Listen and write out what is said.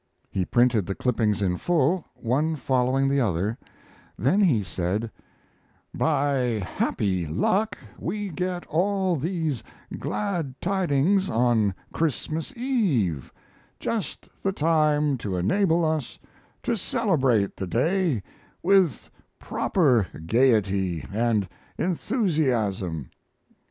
He printed the clippings in full, one following the other; then he said: By happy luck we get all these glad tidings on Christmas Eve just the time to enable us to celebrate the day with proper gaiety and enthusiasm.